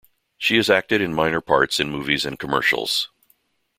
She has acted in minor parts in movies and commercials.